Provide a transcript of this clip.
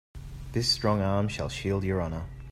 This strong arm shall shield your honor.